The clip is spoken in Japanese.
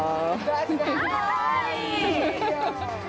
あかわいい！